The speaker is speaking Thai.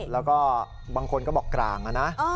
แล้วก็บางคนก็บอกกลางนะ